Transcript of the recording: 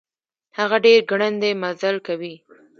هغه ډير ګړندی مزل کوي.